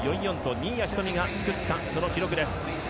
新谷仁美が作ったその記録です。